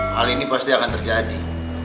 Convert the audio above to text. hal ini pasti akan terjadi